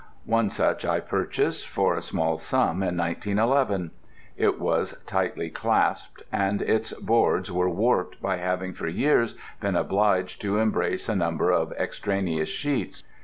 One such I purchased for a small sum in 1911. It was tightly clasped, and its boards were warped by having for years been obliged to embrace a number of extraneous sheets.